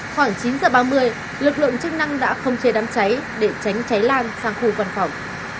khoảng chín h ba mươi lực lượng chức năng đã không chế đám cháy để tránh cháy lan sang khu văn phòng